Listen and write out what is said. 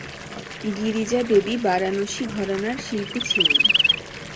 গিরিজা দেবী বারাণসী ঘরানার শিল্পী ছিলেন।